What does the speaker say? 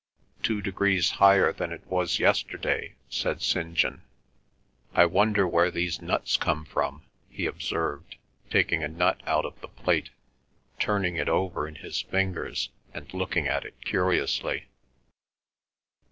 "Two degrees higher than it was yesterday," said St. John. "I wonder where these nuts come from," he observed, taking a nut out of the plate, turning it over in his fingers, and looking at it curiously.